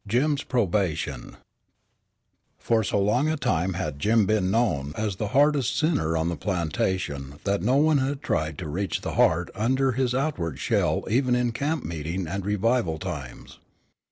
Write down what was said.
JIM'S PROBATION For so long a time had Jim been known as the hardest sinner on the plantation that no one had tried to reach the heart under his outward shell even in camp meeting and revival times.